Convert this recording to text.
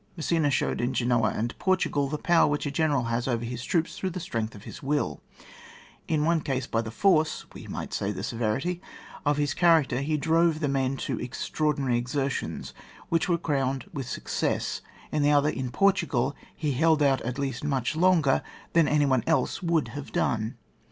Massena showed in Genoa and in Por tugal, the power which a general has over his troops through the strength of his will ; in the one case by the force, we might say the severity, of his charac ter, he drove the men to extraordinary exertions, which were crowned with suc cess ; in the other, in Portugal, he hold out, at least, much longer than any one else would have done.